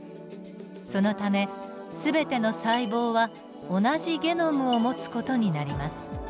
そのため全ての細胞は同じゲノムを持つ事になります。